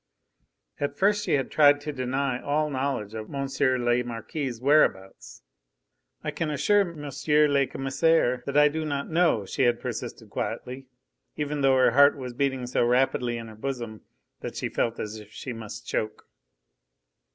At first she had tried to deny all knowledge of M. le Marquis' whereabouts. "I can assure M. le Commissaire that I do not know," she had persisted quietly, even though her heart was beating so rapidly in her bosom that she felt as if she must choke.